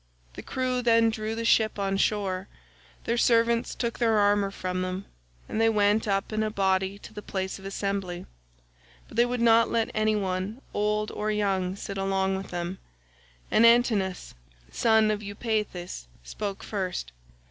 The crew then drew the ship on shore; their servants took their armour from them, and they went up in a body to the place of assembly, but they would not let any one old or young sit along with them, and Antinous, son of Eupeithes, spoke first.